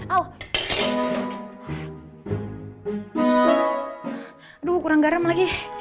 aduh kurang garam lagi